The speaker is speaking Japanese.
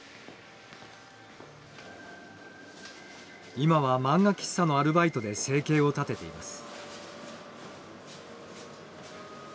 今は漫画喫茶のアルバイトで生計を立てています。